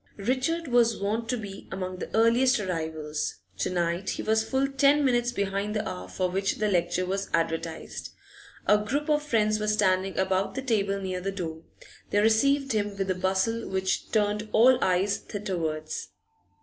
Richard was wont to be among the earliest arrivals: to night he was full ten minutes behind the hour for which the lecture was advertised. A group of friends were standing about the table near the door; they received him with a bustle which turned all eyes thitherwards.